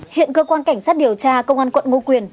hiện cơ quan cảnh sát điều tra công an quận ngô quyền